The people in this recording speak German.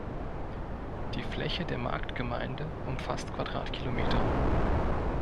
Die Fläche der Marktgemeinde umfasst Quadratkilometer.